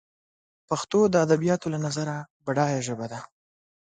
پښتو دادبیاتو له نظره بډایه ژبه ده